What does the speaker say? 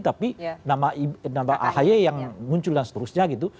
tapi nama ahy yang muncul dan seterusnya gitu